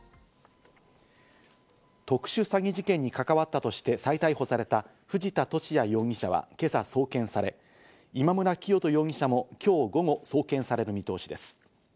特殊詐欺事件に関わったとして再逮捕された藤田聖也容疑者は今朝送検され、今村磨人容疑者も今日午後、送検される見通しです。